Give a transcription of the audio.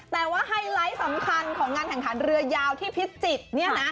แต่ว่าไฮไลท์สำคัญของงานแข่งขันเรือยาวที่พิจิตรเนี่ยนะ